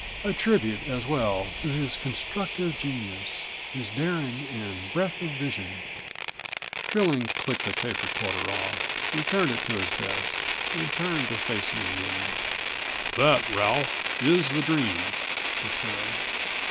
A tribute as well to his constructive genius, his daring and breadth of vision." Trilling clicked the tape recorder off, returned it to his desk, and turned to face me again. "That, Ralph, is the dream," he said.